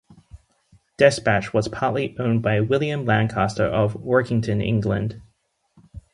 "Despatch" was partly owned by William Lancaster of Workington, England.